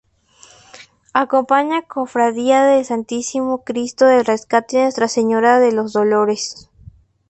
Acompaña la Cofradía del Santísimo Cristo del Rescate y Nuestra Señora de los Dolores.